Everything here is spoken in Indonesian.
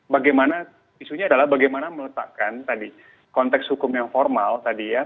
bagaimana isunya adalah bagaimana meletakkan tadi konteks hukum yang formal tadi ya